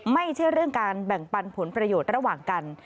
ไม่ใช่เรื่องการแบ่งปันผลประโยชน์ระหว่างกัน